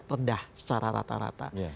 rendah secara rata rata